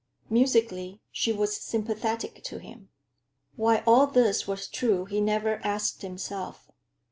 Musically, she was sympathetic to him. Why all this was true, he never asked himself.